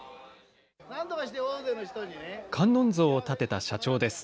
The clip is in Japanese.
観音像を建てた社長です。